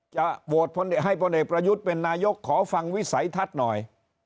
จะโหวตให้พลเอกประยุทธ์เป็นนายกขอฟังวิสัยทัศน์หน่อย